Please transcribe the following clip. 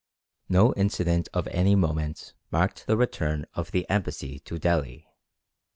No incident of any moment marked the return of the embassy to Delhi.